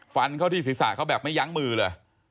ฟันเข้าที่ศีรษะเขาแบบไม่ยั้งมือเลย